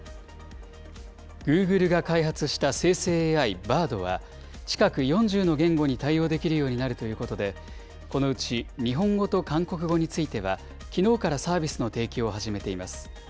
グーグルが開発した生成ＡＩ、Ｂａｒｄは、近く４０の言語に対応できるようになるということで、このうち日本語と韓国語については、きのうからサービスの提供を始めています。